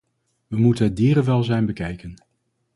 We moeten het dierenwelzijn bekijken.